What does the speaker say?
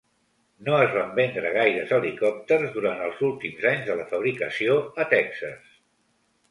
No es van vendre gaire helicòpters durant els últims anys de la fabricació a Texas.